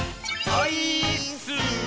オイーッス！